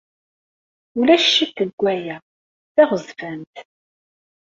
Ulac ccekk deg waya. D taɣezfant.